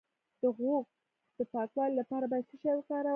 د غوږ د پاکوالي لپاره باید څه شی وکاروم؟